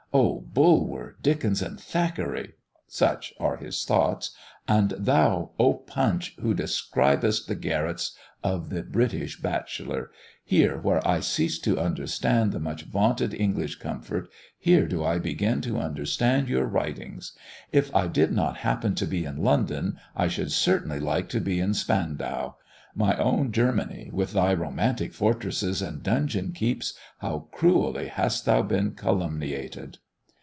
"Oh Bulwer, Dickens, and Thackeray" such are his thoughts and thou, "Oh Punch, who describest the garrets of the British bachelor! here, where I cease to understand the much vaunted English comfort, here do I begin to understand your writings! If I did not happen to be in London, I should certainly like to be in Spandau. My own Germany, with thy romantic fortresses and dungeon keeps, how cruelly hast thou been calumniated!"